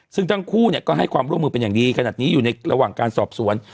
ซึ่งทั้งคู่ก็ให้ความร่วมมือเป็นอย่างดีขนาดนี้อยู่ในระหว่างการสอบสวน